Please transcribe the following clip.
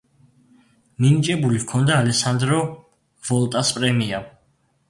მინიჭებული ჰქონდა ალესანდრო ვოლტას პრემია.